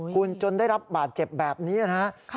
คุณจนได้รับบาดเจ็บแบบนี้นะครับ